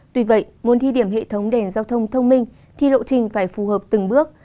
tuy vậy muốn thi điểm hệ thống đèn giao thông thông minh thì lộ trình phải phù hợp từng bước